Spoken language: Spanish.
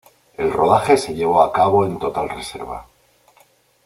El rodaje se llevó a cabo en total reserva.